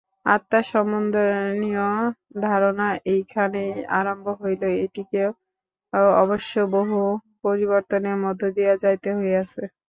আত্মা-সম্বন্ধীয় ধারণা এইখানেই আরম্ভ হইল, এটিকেও অবশ্য বহু পরিবর্তনের মধ্য দিয়া যাইতে হইয়াছে।